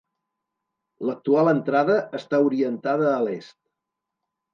L'actual entrada està orientada a l'est.